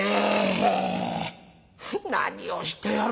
何をしておる。